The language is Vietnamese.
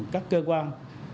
các cơ quan